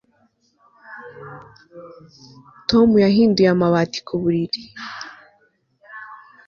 Tom yahinduye amabati ku buriri